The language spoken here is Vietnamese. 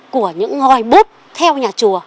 của những ngòi bút theo nhà chùa